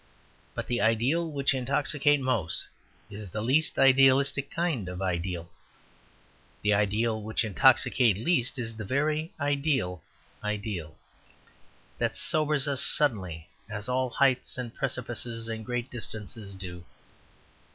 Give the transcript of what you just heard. But the ideal which intoxicates most is the least idealistic kind of ideal. The ideal which intoxicates least is the very ideal ideal; that sobers us suddenly, as all heights and precipices and great distances do.